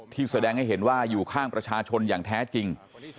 แสดงให้เห็นว่าอยู่ข้างประชาชนอย่างแท้จริง